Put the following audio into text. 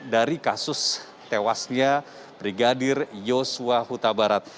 dari kasus tewasnya brigadir yosua huta barat